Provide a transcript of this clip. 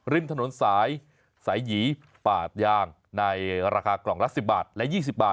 ริมถนนสายสายหยีปาดยางในราคากล่องละ๑๐บาทและ๒๐บาท